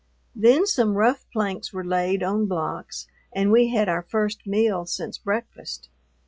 Then some rough planks were laid on blocks, and we had our first meal since breakfast.